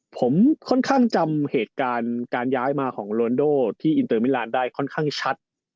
ผมค่อนข้างจำเหตุการณ์การย้ายมาของโรนโดที่อินเตอร์มิลานได้ค่อนข้างชัด